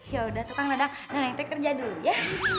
yaudah tetang dadang neneng teh kerja dulu ya